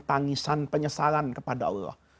tangisan penyesalan kepada allah